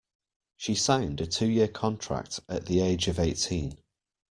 She signed a two-year contract at the age of eighteen.